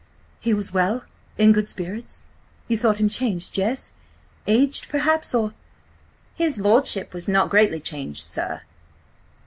"He was well? In good spirits? You thought him changed–yes? Aged perhaps, or—" "His lordship was not greatly changed, sir."